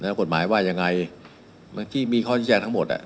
แล้วกฎหมายว่ายังไงที่มีข้อแชร์แจงทั้งหมดอ่ะ